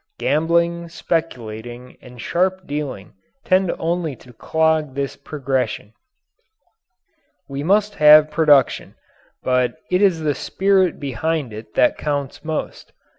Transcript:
Gambling, speculating, and sharp dealing tend only to clog this progression. We must have production, but it is the spirit behind it that counts most.